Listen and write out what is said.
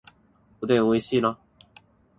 おでん美味しいな